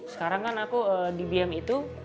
sekarang kan aku di bm itu